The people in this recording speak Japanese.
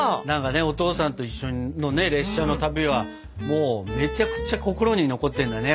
お父さんと一緒の列車の旅はもうめちゃくちゃ心に残ってるんだね。